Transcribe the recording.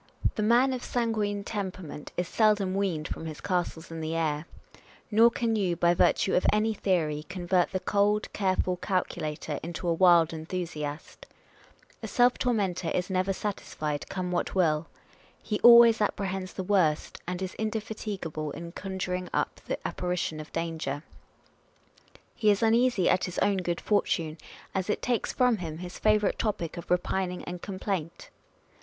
The man of sanguine temperament is seldom weaned from his castles in the air ; nor can you, by virtue of any theory, convert the cold, careful calculator into a wild enthusiast. A self tormentor is never satisfied, come what will. He always apprehends the worst, and is indefatigable in conjuring up the apparition of danger. He is imeasy at his own good fortune, as it takes from him his favourite topic of repining and complaint.